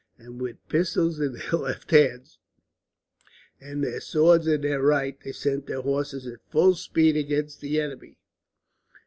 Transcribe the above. And with pistols in their left hands, and their swords in their right, they sent their horses at full speed against the enemy.